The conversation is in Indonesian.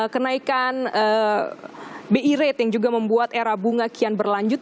kenaikan bi rate yang juga membuat era bunga kian berlanjut